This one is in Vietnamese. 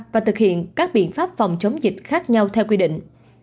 và thực hiện các biện pháp phòng chống dịch khác nhau theo quy định